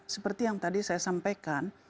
seperti yang tadi saya sampaikan